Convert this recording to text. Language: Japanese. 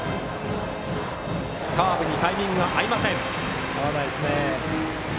カーブにタイミングが合いません。